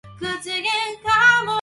ダメそう